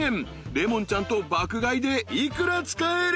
［レモンちゃんと爆買いで幾ら使える？］